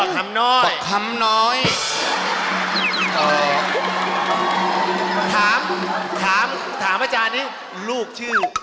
ถามถามอาจารย์นี้ลูกชื่อ